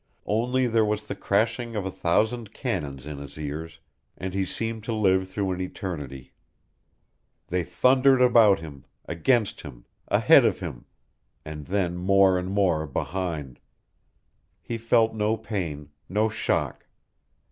Only there was the crashing of a thousand cannon in his ears, and he seemed to live through an eternity. They thundered about him, against him, ahead of him, and then more and more behind. He felt no pain, no shock.